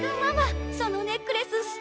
そのネックレスすてき！